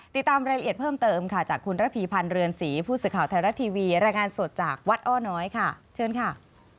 ติดตามรายละเอียดเพิ่มเติมค่ะจากคุณระพีพันธ์เรือนศรีผู้สื่อข่าวไทยรัฐทีวีรายงานสดจากวัดอ้อน้อยค่ะเชิญค่ะ